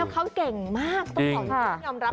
แล้วเขาเก่งมากต้องขอบคุณค่ะ